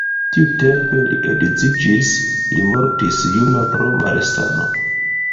Tiutempe li edziĝis, li mortis juna pro malsano.